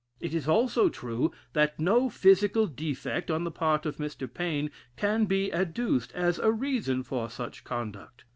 It is also true, that no physical defect, on the part of Mr. Paine, can be adduced as a reason for such conduct....